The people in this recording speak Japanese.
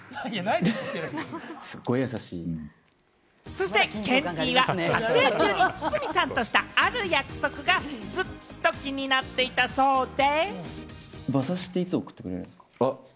そして、ケンティーは撮影中に堤さんとしたある約束が、ずっと気になっていたそうで。